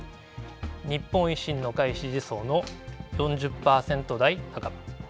日本維新の会支持層の４０％台半ば。